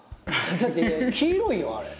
だって黄色いよあれ。